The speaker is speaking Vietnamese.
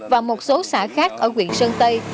và một số xã khác ở huyện sơn tây